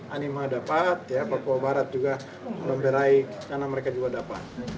anima dapat ya papua barat juga mulai naik karena mereka juga dapat